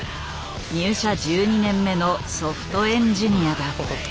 入社１２年目のソフトエンジニアだ。